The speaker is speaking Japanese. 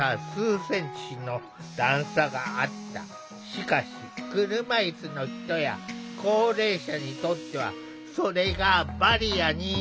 しかし車いすの人や高齢者にとってはそれがバリアに。